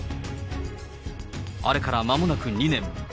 あれからまもなく２年。